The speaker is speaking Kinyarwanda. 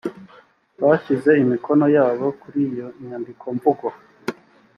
bashyize imikono yabo kuri iyo nyandikomvugo